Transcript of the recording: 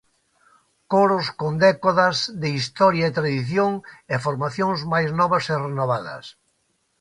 Coros con décadas de historia e tradición e formacións máis novas e renovadas.